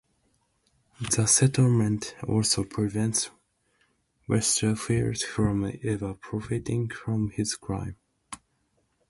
The settlement also prevents Westerfield from ever profiting from his crime.